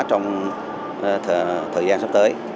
trong thời gian sắp tới